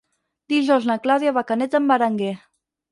Dijous na Clàudia va a Canet d'en Berenguer.